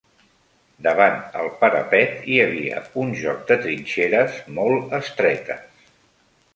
Davant el parapet hi havia un joc de trinxeres molt estretes